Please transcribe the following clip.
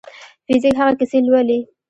فزیک هغه کیسې لولي.